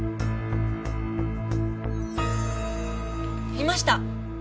いました！